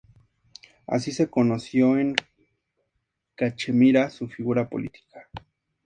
Así se conoció en Cachemira su figura política.